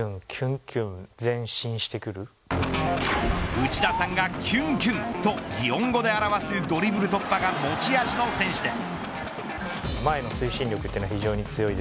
内田さんがきゅんきゅんと擬音語で表すドリブル突破が持ち味の選手です。